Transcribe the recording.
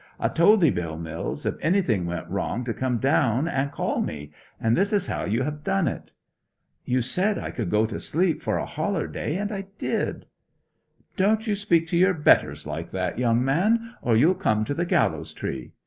I told 'ee, Bill Mills, if anything went wrong to come down and call me; and this is how you have done it.' 'You said I could go to sleep for a hollerday, and I did.' 'Don't you speak to your betters like that, young man, or you'll come to the gallows tree!